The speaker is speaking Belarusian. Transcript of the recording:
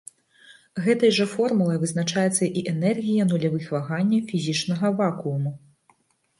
Гэтай жа формулай вызначаецца і энергія нулявых ваганняў фізічнага вакууму.